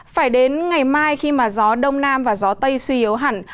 phải đến ngày mai khi mà gió đông nam và gió tây suy yếu hẳn